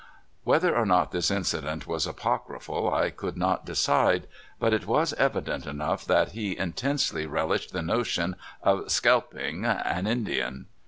Whether or not this incident was apocryphal I could not decide, but it was evident enough that he intensely relished the notion of " skelping " an Indian.